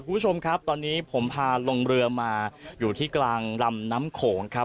คุณผู้ชมครับตอนนี้ผมพาลงเรือมาอยู่ที่กลางลำน้ำโขงครับ